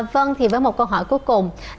vâng thì với một câu hỏi cuối cùng